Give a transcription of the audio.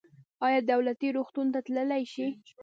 ایا دولتي روغتون ته تللی شئ؟